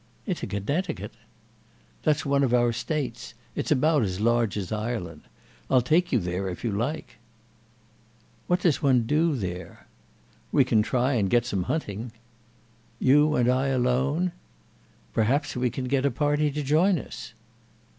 "Into Connecticut?" "That's one of our States. It's about as large as Ireland. I'll take you there if you like." "What does one do there?" "We can try and get some hunting." "You and I alone?" "Perhaps we can get a party to join us."